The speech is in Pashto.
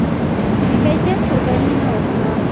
د کیفیت قرباني مه ورکوه.